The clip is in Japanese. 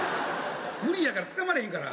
無理やからつかまれへんから。